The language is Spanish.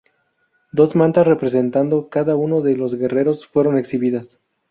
Dos mantas representando cada uno de los guerreros fueron exhibidas.